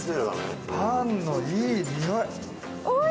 パンのいいにおい！